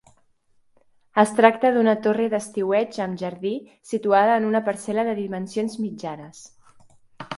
Es tracta d'una torre d'estiueig amb jardí situada en una parcel·la de dimensions mitjanes.